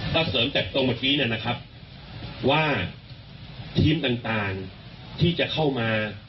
ถ้าเสริมจากตรงที่นี่นะครับว่าทีมต่างต่างที่จะเข้ามา